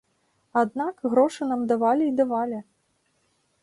Аднак грошы нам давалі і давалі.